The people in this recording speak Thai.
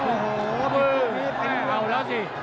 โอ้โหเอ้าแล้วสิ